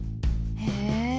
へえ！